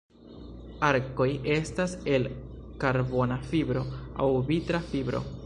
Arkoj estas el karbona fibro aŭ vitra fibro.